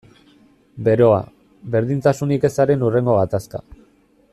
Beroa, berdintasunik ezaren hurrengo gatazka.